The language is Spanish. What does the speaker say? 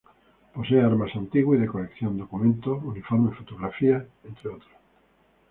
Posee armas antiguas y de colección, documentos, uniformes, fotografías y entre otros.